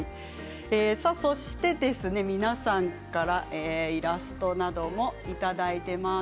そして皆さんからイラストなどもいただいています。